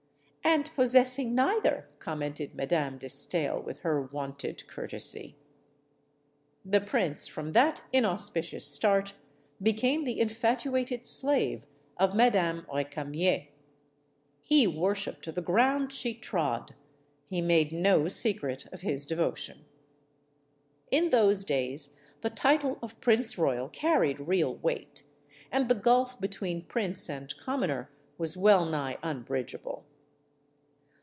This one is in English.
"And possessing neither," commented Madame de Stael, with her wonted courtesy. The prince, from that inauspicious start, became the infatuated slave of Madame Recamier. He worshiped the ground she trod. He made no secret of his de votion. In those days the title of prince royal carried real weight, and the gulf between prince and commoner was well nigh unbridgeable.